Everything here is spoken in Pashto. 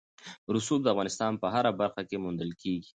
رسوب د افغانستان په هره برخه کې موندل کېږي.